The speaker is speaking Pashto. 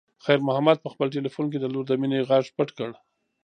خیر محمد په خپل تلیفون کې د لور د مینې غږ پټ کړ.